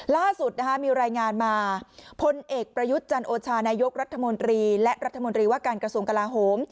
ล่าสุดมีรายงานมาพลเอกประยุทธ์จันโอชานายกรัฐมนตรีและรัฐมนตรีว่าการกระทรวงกลาโหม